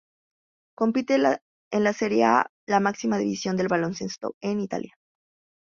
Compite en la Serie A, la máxima división del baloncesto en Italia.